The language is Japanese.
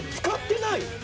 使ってない？